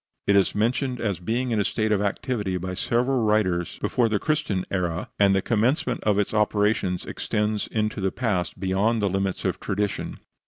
It is mentioned as being in a state of activity by several writers before the Christian era, and the commencement of its operations extends into the past beyond the limits of tradition.